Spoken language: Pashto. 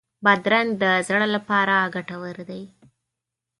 بادرنګ د زړه لپاره ګټور دی.